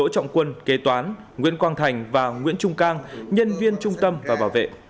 trọng quân kế toán nguyễn quang thành và nguyễn trung cang nhân viên trung tâm và bảo vệ